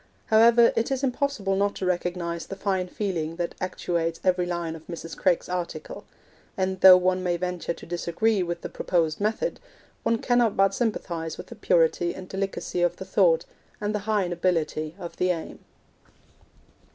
However, it is impossible not to recognise the fine feeling that actuates every line of Mrs. Craik's article; and though one may venture to disagree with the proposed method, one cannot but sympathise with the purity and delicacy of the thought, and the high nobility of the aim.